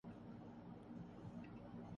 لیکن ان پہ ناچ دیکھنے کو کیوں نہیں ملتے؟